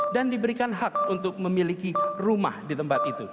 dan diberikan hak untuk memiliki rumah di tempat itu